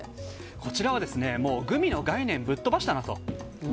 こちらはグミの概念をぶっ飛ばしたなと。